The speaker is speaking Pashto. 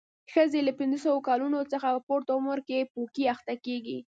ښځې له پنځوسو کلونو څخه په پورته عمر کې پوکي اخته کېږي.